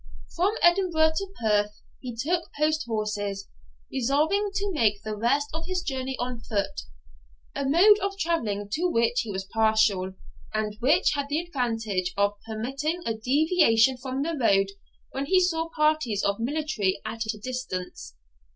From Edinburgh to Perth he took post horses, resolving to make the rest of his journey on foot; a mode of travelling to which he was partial, and which had the advantage of permitting a deviation from the road when he saw parties of military at a distance.